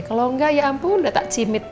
kalau enggak ya ampun udah tak cimit